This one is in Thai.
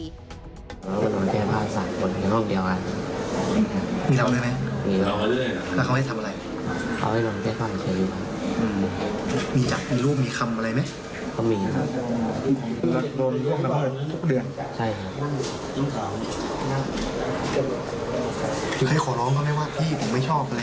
แก่ช่วยบ่นการคิดว่าไก่จะได้อะไรที่จะมีใจมากกว่ามีบัตรล่วงได้ไหม